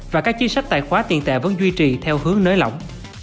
và các chính sách tài khoá tiền tệ vẫn duy trì theo hướng nới lỏng